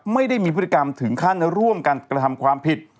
ไม่ได้มีพฤติกรรมถึงขั้นร่วมกันกระทำความผิด